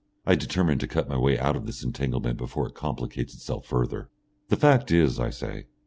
I determine to cut my way out of this entanglement before it complicates itself further. "The fact is " I say.